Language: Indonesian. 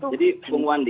jadi bung wandi